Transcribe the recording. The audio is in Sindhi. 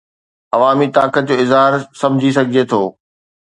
عوامي طاقت جو اظهار سمجهي سگهجي ٿو